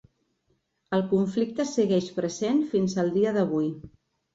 El conflicte segueix present fins al dia d'avui.